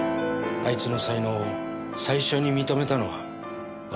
あいつの才能を最初に認めたのは私だった。